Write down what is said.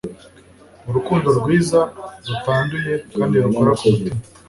urukundo rwiza, rutanduye kandi rukora ku mutima